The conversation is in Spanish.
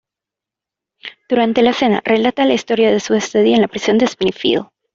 Durante la cena, relata la historia de su estadía en la Prisión de Springfield.